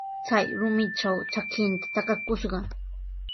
Chay rumitraw trakinta takakushqa.